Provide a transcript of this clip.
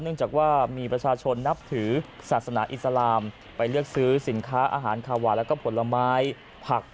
จากว่ามีประชาชนนับถือศาสนาอิสลามไปเลือกซื้อสินค้าอาหารคาวาแล้วก็ผลไม้ผัก